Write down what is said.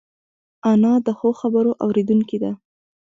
انا د ښو خبرو اورېدونکې ده